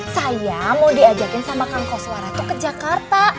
saya mau diajakin sama kang koswara tuh ke jakarta